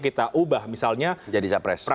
kita ubah misalnya jadi capres